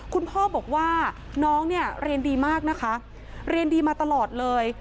คุณพ่อบอกว่าน้องเนี่ยเรียนดีมากนะคะเรียนดีมาตลอดเลย